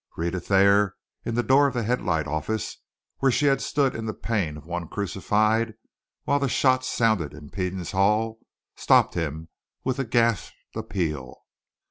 Rhetta Thayer, in the door of the Headlight office, where she had stood in the pain of one crucified while the shots sounded in Peden's hall, stopped him with a gasped appeal.